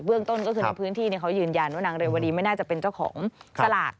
เรื่องต้นก็คือในพื้นที่เขายืนยันว่านางเรวดีไม่น่าจะเป็นเจ้าของสลาก